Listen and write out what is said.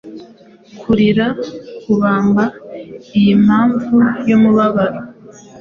Kurira 'Kubamba iyi mpamvu yumubabaro,